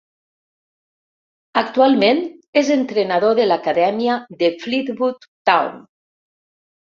Actualment és entrenador de l'acadèmia de Fleetwood Town.